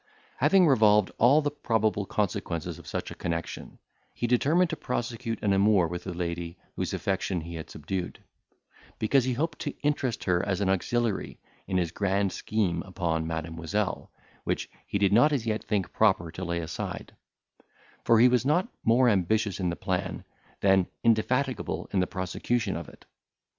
Having revolved all the probable consequences of such a connexion, he determined to prosecute an amour with the lady whose affection he had subdued; because he hoped to interest her as an auxiliary in his grand scheme upon Mademoiselle, which he did not as yet think proper to lay aside; for he was not more ambitious in the plan, than indefatigable in the prosecution of it.